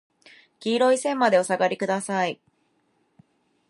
黄色い線までお下がりください。